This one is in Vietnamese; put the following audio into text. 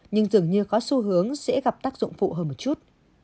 nhưng dường như có xu hướng sẽ gặp tác dụng phụ hơn một chút